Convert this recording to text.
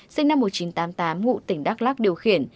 sinh năm một nghìn chín trăm tám mươi tám ngụ tỉnh đắk lắc điều khiển